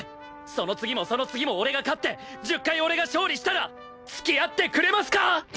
その次もその次も俺が勝って１０回俺が勝利したら付き合ってくれますか！？